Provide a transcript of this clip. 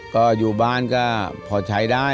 ก็อยู่บ้านก็พอใช้ได้